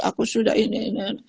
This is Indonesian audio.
aku sudah ini ini